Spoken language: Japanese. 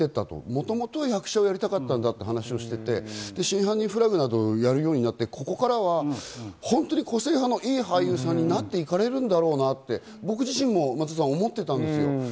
もともとは役者をやりたかったという話をしていて、『真犯人フラグ』などをやるようになって、ここからは個性派のいい俳優さんになっていかれるんだろうなと僕自身も思っていたんですよ。